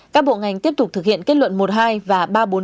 các bộ ngành tiếp tục thực hiện kết luận một hai và ba bốn chín